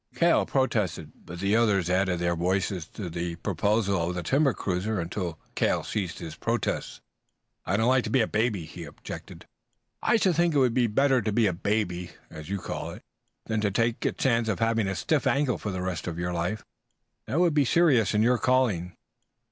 Cale protested, but the others added their voices to the proposal of the timber cruiser until Cale ceased his protests. "I don't like to be a baby," he objected. "I should think it would be much better to be a baby, as you call it, than to take the chance of having a stiff ankle for the rest of your life. That would be serious in your calling."